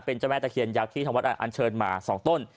เป็นเจ้าแม่ตะเคียนยักษ์ที่ทางวัดอันเชิญมา๒ต้น